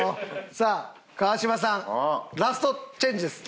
さあ川島さんラストチェンジです。